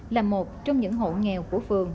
là một trong những hộ nghèo của phường